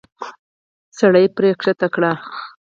سړی پړی کښته کړ.